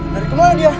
dari kemana dia